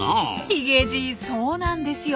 ヒゲじいそうなんですよ。